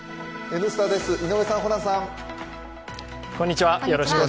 「Ｎスタ」です、井上さん、ホランさん。